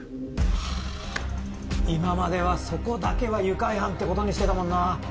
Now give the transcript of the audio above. ハァ今まではそこだけは愉快犯ってことにしてたもんな。